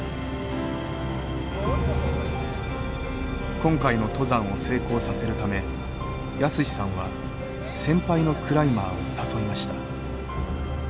今回の登山を成功させるため泰史さんは先輩のクライマーを誘いました。